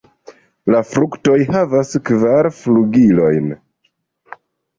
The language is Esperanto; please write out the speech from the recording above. La fruktoj havas kvar flugilojn.